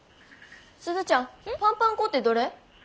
鈴ちゃんパンパン粉ってどれ？